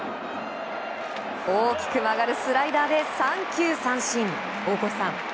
大きく曲がるスライダーで三球三振。